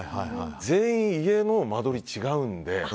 全員、家の間取りが違うので。